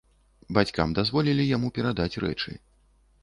Бацькам дазволілі яму перадаць рэчы.